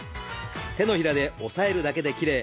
手のひらで押さえるだけで切れ